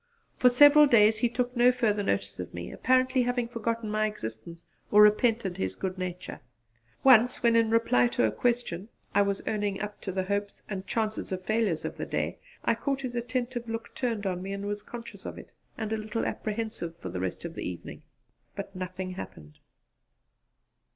For several days he took no further notice of me, apparently having forgotten my existence or repented his good nature. Once, when in reply to a question, I was owning up to the hopes and chances and failures of the day, I caught his attentive look turned on me and was conscious of it and a little apprehensive for the rest of the evening; but nothing happened.